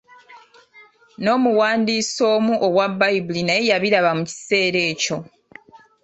N'omuwandiisi omu owa Bbayibuli naye yabiraba mu kiseera ekyo.